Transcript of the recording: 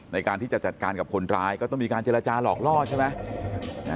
ในการที่จะจัดการกับคนร้ายก็ต้องมีการเจรจาหลอกล่อใช่ไหม